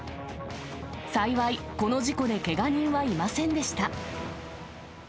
幸い、この事故でけが人はいませんでした。